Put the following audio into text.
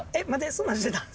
そんなんしてたん？